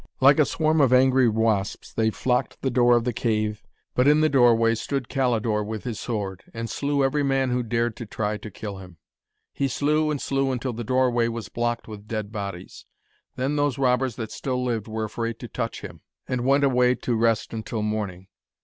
Like a swarm of angry wasps they flocked to the door of the cave, but in the doorway stood Calidore with his sword, and slew every man who dared to try to kill him. He slew and slew until the doorway was blocked with dead bodies. Then those robbers that still lived were afraid to touch him, and went away to rest until morning.